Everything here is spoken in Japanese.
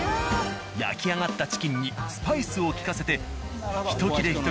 焼き上がったチキンにスパイスをきかせてひと切れ